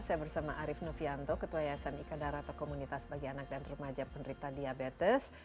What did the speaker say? saya bersama arief novianto ketua yayasan ika darata komunitas bagi anak dan remaja penderita diabetes